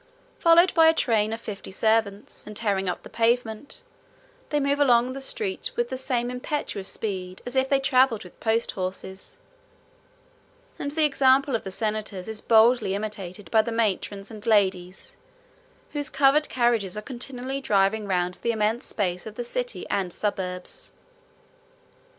38 Followed by a train of fifty servants, and tearing up the pavement, they move along the streets with the same impetuous speed as if they travelled with post horses; and the example of the senators is boldly imitated by the matrons and ladies, whose covered carriages are continually driving round the immense space of the city and suburbs.